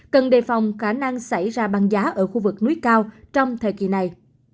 cần đề phòng khả năng xảy ra băng giá ở khu vực núi cao trong thời kỳ này